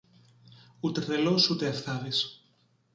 Ούτε τρελός ούτε αυθάδης.